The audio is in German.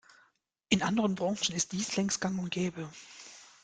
In anderen Branchen ist dies längst gang und gäbe.